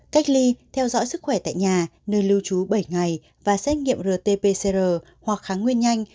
cách ly theo dõi sức khỏe tại nhà nơi lưu trú bảy ngày và xét nghiệm rt pcr hoặc kháng nguyên nhanh